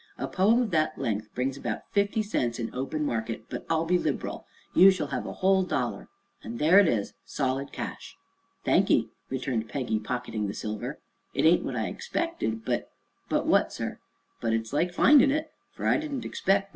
"A poem of that length brings about fifty cents in open market, but I'll be liberal. You shall have a whole dollar and there it is, solid cash." "Thank ye," returned Peggy, pocketing the silver. "It ain't what I expected, but " "But what, sir?" "But it's like findin' it, for I didn't expect nuth'n'.